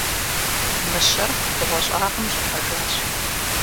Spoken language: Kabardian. Мыщэр бгъуэщӏагъым щӏыхьэжащ.